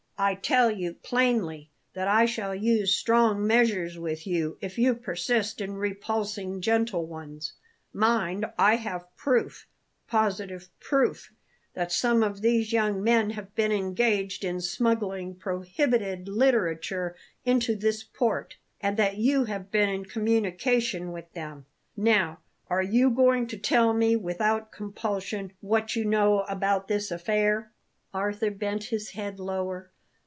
I tell you plainly that I shall use strong measures with you if you persist in repulsing gentle ones. Mind, I have proof positive proof that some of these young men have been engaged in smuggling prohibited literature into this port; and that you have been in communication with them. Now, are you going to tell me, without compulsion, what you know about this affair?" Arthur bent his head lower.